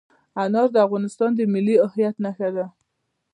انار د افغانستان د ملي هویت نښه ده.